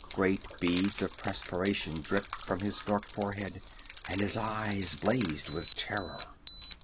Great beads of perspiration dripped from his dark forehead, and his eyes blazed with terror.